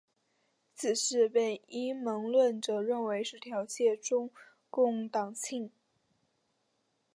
此事被阴谋论者认为是挑衅中共党庆。